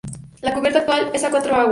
La cubierta actual es a cuatro aguas.